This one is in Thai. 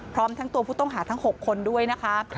พร้อมทั้งตัวผู้ต้องหาทั้ง๖คนด้วยนะคะ